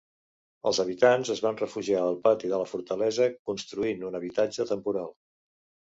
Els habitants es van refugiar al pati de la fortalesa, construint un habitatge temporal.